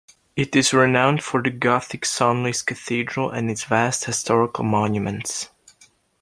It is renowned for the gothic Senlis Cathedral and its vast historical monuments.